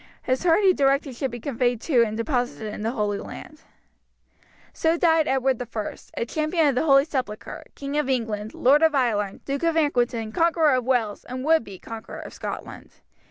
His heart he directed should be conveyed to and deposited in the Holy Land. So died Edward I, a champion of the Holy Sepulchre, King of England, Lord of Ireland, Duke of Aquitaine, conqueror of Wales, and would be conqueror of Scotland.